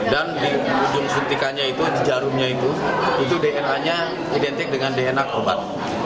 dan di ujung suntikannya itu di jarumnya itu itu dna nya identik dengan dna korban